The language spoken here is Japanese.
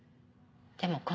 でも